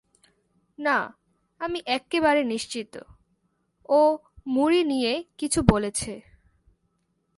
না, আমি এক্কেবারে নিশ্চিত, ও মুড়ি নিয়ে কিছু বলেছে।